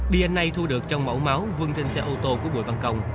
dna thu được trong mẫu máu vương trên xe ô tô của bùi văn công